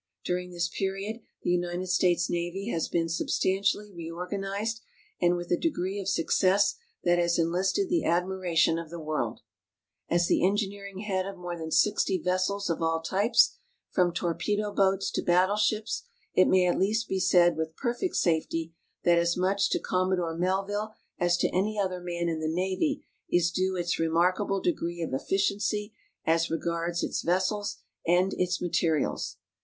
During this period the United States Navy has l)een sul)stantially reorganized and with a degree of success that has enlisted the admiration of the world. 190 GEOGRAPHIC SERIALS As the engineering head of more than sixty vessels of all types, from torpedo boats to battle ships, it may at least be said with perfect safety, that as much to Commodore Melville as to any other man in the Navy is due its remarkable degree of efficiency as regards its vessels and its materials.